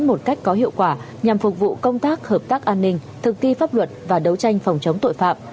một cách có hiệu quả nhằm phục vụ công tác hợp tác an ninh thực thi pháp luật và đấu tranh phòng chống tội phạm